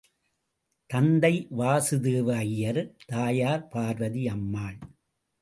தந்தை வாசுதேவ ஐயர், தாயார் பார்வதி அம்மாள்.